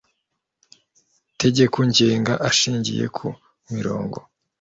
tegeko ngenga ashingiye ku mirongo